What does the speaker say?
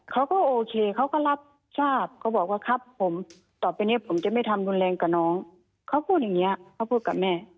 เขาก็โอเคเขาก็รับทราบเขาบอกว่าครับผมต่อไปเนี่ยผมจะไม่ทำรุนแรงกับน้องเขาพูดอย่างนี้เขาพูดกับแม่